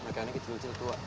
mereka anak kecil kecil tua